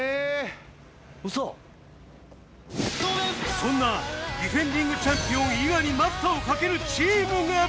そんなディフェンディングチャンピオン伊賀に待ったをかけるチームが！